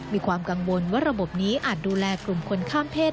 มีความกังวลว่าระบบนี้อาจดูแลกลุ่มคนข้ามเพศ